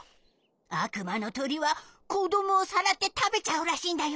あくまのとりはこどもをさらってたべちゃうらしいんだよ。